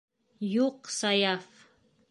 Юҡ, Саяф!